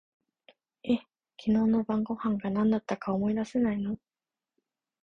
え、昨日の晩御飯が何だったか思い出せないの？